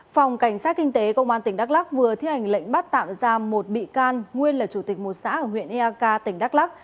phòng cảnh sát kinh tế công an tỉnh đắk lắc vừa thi hành lệnh bắt tạm giam một bị can nguyên là chủ tịch một xã ở huyện eak tỉnh đắk lắc